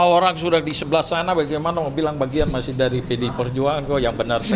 orang sudah di sebelah sana bagaimana mau bilang bagian masih dari pd perjuangan kok yang benar